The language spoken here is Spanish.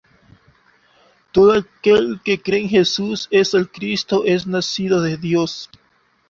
todo aquel que cree que Jesús es el Cristo, es nacido de Dios: